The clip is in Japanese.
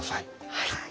はい。